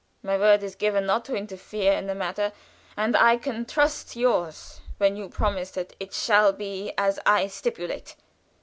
My word is given not to interfere in the matter, and I can trust yours when you promise that it shall be as I stipulate.